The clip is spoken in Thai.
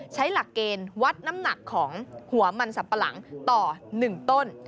หลักเกณฑ์วัดน้ำหนักของหัวมันสับปะหลังต่อ๑ต้น